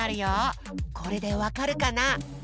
これでわかるかな？